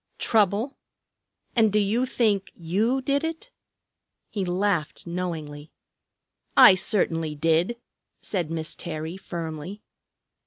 Trouble! And do you think you did it?" He laughed knowingly. "I certainly did," said Miss Terry firmly.